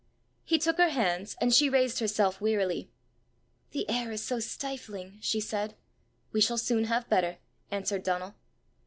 He took her hands, and she raised herself wearily. "The air is so stifling!" she said. "We shall soon have better!" answered Donal.